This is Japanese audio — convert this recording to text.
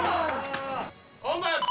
本番！